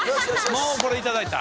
もうこれいただいた。